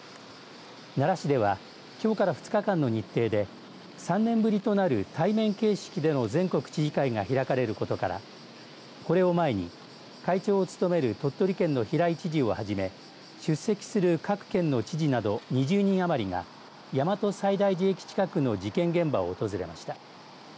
奈良市ではきょうから２日間の日程で３年ぶりとなる対面形式での全国知事会が開かれることからこれを前に会長を務める鳥取県の平井知事をはじめ出席する各県の知事など２０人余りが大和西大寺駅近くの事件現場を訪れました。